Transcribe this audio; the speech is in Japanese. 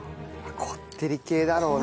こってり系だろうな。